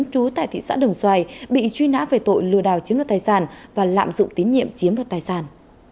chú tại thị xã đồng xoài bị truy nã về tội lừa đảo chiếm đoạt tài sản và lạm dụng tín nhiệm chiếm đoạt tài sản